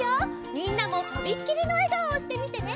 みんなもとびっきりのえがおをしてみてね！